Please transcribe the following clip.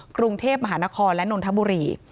กรุงเทพมหานครและนนทบุรี